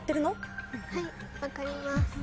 はい分かります。